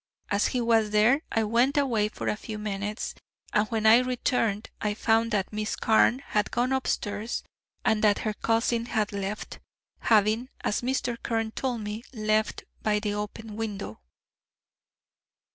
As he was there I went away for a few minutes, and when I returned I found that Miss Carne had gone upstairs, and that her cousin had left, having, as Mr. Carne told me, left by the open window."